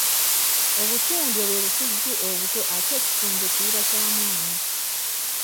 Obutundwe bwe busujju obuto ate ekitundwe kirira kya mwana.